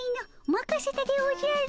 まかせたでおじゃる。